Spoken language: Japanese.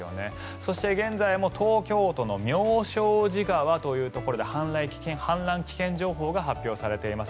そして、現在も東京都の妙正寺川というところで氾濫危険情報が発表されています。